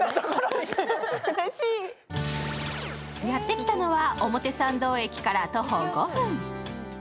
やってきたのは表参道駅から徒歩５分。